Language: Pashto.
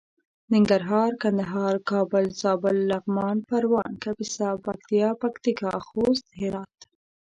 ننګرهار کندهار کابل زابل لغمان پروان کاپيسا پکتيا پکتيکا خوست هرات